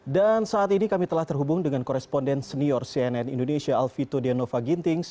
dan saat ini kami telah terhubung dengan koresponden senior cnn indonesia alvito de nova gintings